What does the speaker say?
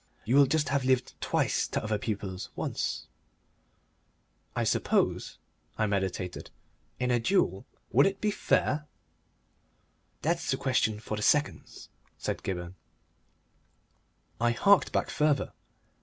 You will just have lived twice to other people's once " "I suppose," I meditated, "in a duel it would be fair?" "That's a question for the seconds," said Gibberne. I harked back further.